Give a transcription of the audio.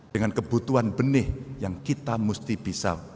dengan kebutuhan benih yang kita mesti bisa